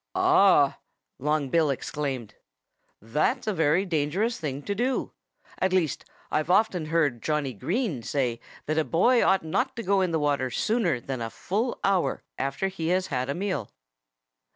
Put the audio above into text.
"Ah!" Long Bill exclaimed. "That's a very dangerous thing to do. At least, I've often heard Johnnie Green say that a boy ought not to go in the water sooner than a full hour after he has had a meal."